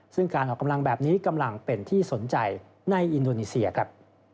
ซึ่งการออกกำลังแบบนี้กำลังเป็นที่สนใจในอินโดนีเซียครับ